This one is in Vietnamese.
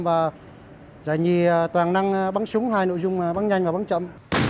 và giải nhì toàn năng bắn súng hai nội dung bắn nhanh và bắn chậm